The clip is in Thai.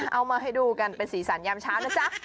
เอามาให้ดูกันเป็นสีสันยามเช้านะจ๊ะ